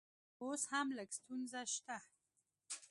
اوس هم لږ ستونزه شته